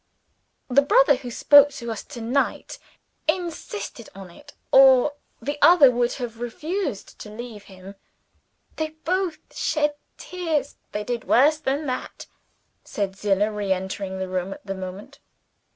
The brother who spoke to us to night insisted on it or the other would have refused to leave him. They both shed tears " "They did worse than that," said old Zillah, re entering the room at the moment.